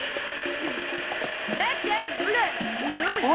母ちゃんオラにおう？